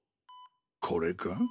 これか？